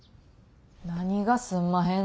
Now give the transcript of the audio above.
何がすんまへん